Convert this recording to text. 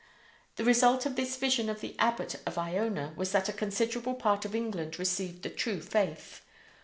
The result of this vision of the abbot of Iona was that a considerable part of England received the true faith.